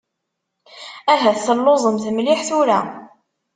Ahat telluẓemt mliḥ tura.